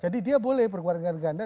jadi dia boleh berkeluarga negara ganda